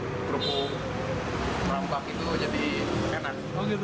merampak itu jadi enak